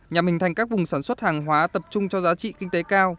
nhằm hình thành các vùng sản xuất hàng hóa tập trung cho giá trị kinh tế cao